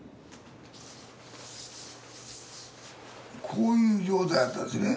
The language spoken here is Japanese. こういう状態だったんですね